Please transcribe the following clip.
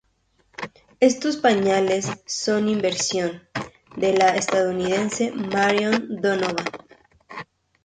Estos pañales son invención de la estadounidense Marion Donovan.